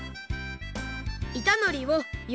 いたのりをよ